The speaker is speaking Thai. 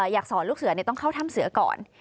อยากสอนลูกเสือต้องเข้าถ้ำเสือก่อน